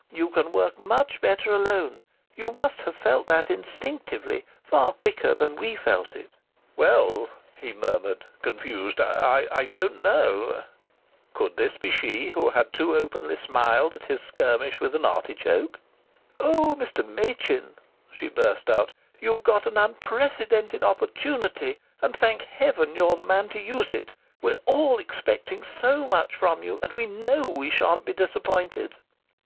You can work much better alone. You must have felt that instinctively far quicker than we felt it." "Well," he murmured, confused, "I don't know " Could this be she who had too openly smiled at his skirmish with an artichoke? "Oh, Mr. Machin!" she burst out. "You've got an unprecedented opportunity, and thank Heaven you're the man to use it! We're all expecting so much from you, and we know we shan't be disappointed."